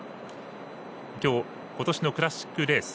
きょうことしのクラシックレース